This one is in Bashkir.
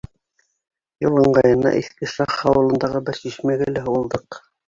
Юл ыңғайына Иҫке Шах ауылындағы бер шишмәгә лә һуғылдыҡ.